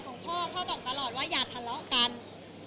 ทุกคนก็คือครอบครัวณเจ๋วก็คือครอบครัวณฝนก็คือครอบครัวจริงไหมคะ